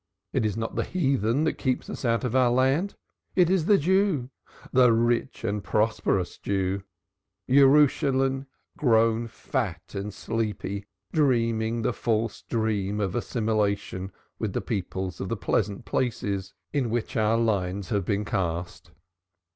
It is not the heathen that keeps us out of our land it is the Jews, the rich and prosperous Jews Jeshurun grown fat and sleepy, dreaming the false dream of assimilation with the people of the pleasant places in which their lines have been cast.